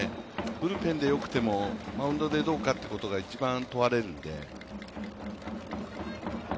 ブルペンで良くてもマウンドでどうかってことが一番問われるんで。